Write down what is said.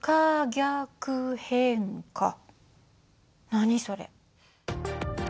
何それ？